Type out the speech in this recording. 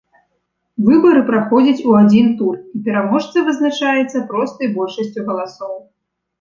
Выбары праходзяць у адзін тур і пераможца вызначаецца простай большасцю галасоў.